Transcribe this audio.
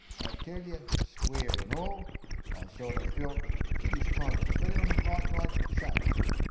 I tell yer, square an' all, I sorter felt A kiddish kind o' feelin' like I'd choke...